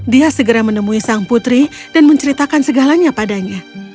dia segera menemui sang putri dan menceritakan segalanya padanya